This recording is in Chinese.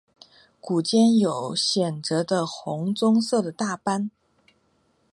股间有显着的红棕色的大斑。